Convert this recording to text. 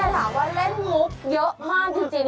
ถามว่าเล่นมุกเยอะมากจริง